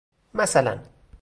مثلاً